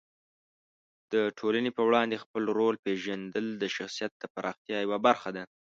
د ټولنې په وړاندې خپل رول پېژندل د شخصیت د پراختیا یوه برخه ده.